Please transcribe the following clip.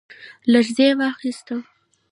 لـړزې واخيسـتم ،